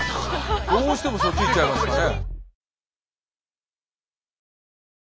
どうしてもそっち行っちゃいますかね。